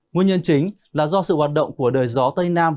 nguyên nhân chính là do sự hoạt động của đời gió tây nam